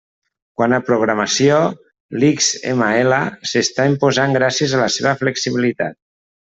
Quant a programació, l'XML s'està imposant gràcies a la seva flexibilitat.